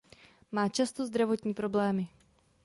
Má často zdravotní problémy.